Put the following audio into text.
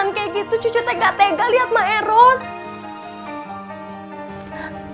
emak erostek pingsan pingsan kayak gitu cucu tega tega liat emak erostek